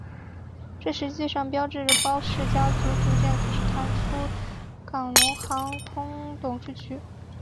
这实际上标志着包氏家族逐渐开始淡出港龙航空董事局。